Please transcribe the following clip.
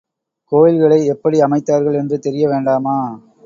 கோயில்களை எப்படி அமைத்தார்கள் என்று தெரிய வேண்டாமா?